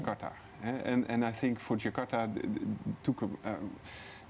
pembangunan itu pilihan pembangunan jakarta